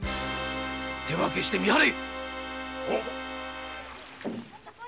手分けして見張れ